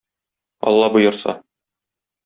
Алла боерса